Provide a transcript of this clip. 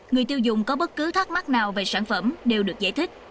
người tiêu dùng có bất cứ thắc mắc nào về sản phẩm đều được giải thích